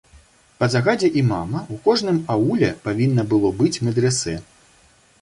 Па загадзе імама ў кожным ауле павінна было быць медрэсэ.